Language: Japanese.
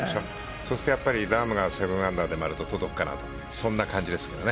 そうするとラームが７アンダーで回ると届くかなというそんな感じですけどね。